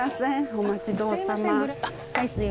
お待ちどおさま。